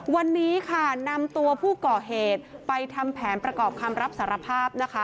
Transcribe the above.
วันนี้ค่ะนำตัวผู้ก่อเหตุไปทำแผนประกอบคำรับสารภาพนะคะ